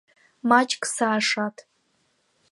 Маҷк саашаҭ…